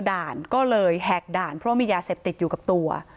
ด่านก็เลยแหกด่านเพราะมียาเสพติดอยู่กับตัว